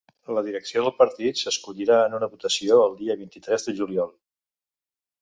La direcció del partit s’escollirà en una votació el dia vint-i-tres de juliol.